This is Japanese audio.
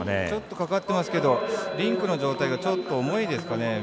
ちょっとかかっていますがリンクの状態がちょっと重いですかね。